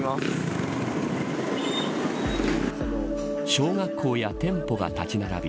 小学校や店舗が立ち並び